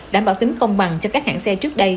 đảm bảo tính công bằng cho các hãng xe trước đây